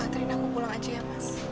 trina aku pulang aja ya mas